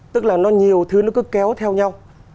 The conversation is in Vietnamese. tức là nó nhiều thứ nó cứ kéo theo nhau